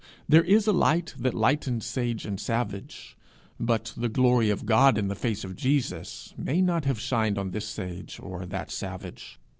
There is a light that lightens sage and savage, but the glory of God in the face of Jesus may not have shined on this sage or that savage.